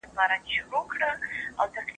که ئې تاسو له دين او اخلاقو څخه راضي واست.